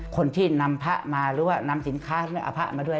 คนที่นำผ้ามาหรือว่านำสินค้าเอาผ้ามาด้วย